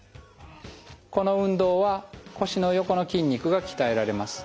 この運動は腰の横の筋肉が鍛えられます。